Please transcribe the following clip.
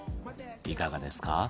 いかがですか？